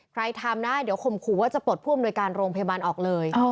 ใครทำน่าเดี๋ยวข่มขู่ว่าจะปลดภูมิโดยการโรงพยาบาลออกเลย